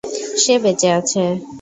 সে বেঁচে আছে।